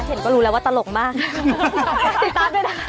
เห็นก็รู้แล้วว่าตลกมาก